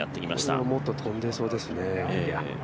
これはもっと飛んでそうですね。